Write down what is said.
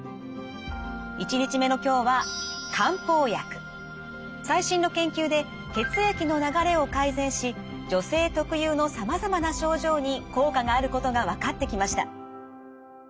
１日目の今日は最新の研究で血液の流れを改善し女性特有のさまざまな症状に効果があることが分かってきました。